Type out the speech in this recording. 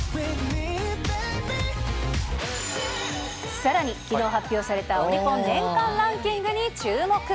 さらにきのう発表されたオリコン年間ランキングに注目。